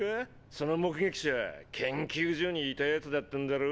その目撃者研究所にいた奴だったんだろ？